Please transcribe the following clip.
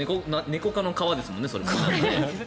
ネコ科の皮ですもんね。